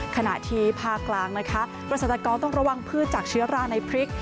ขณะที่ภาคกลางนะคะเกษตรกรต้องระวังพืชจากเชื้อราในพริก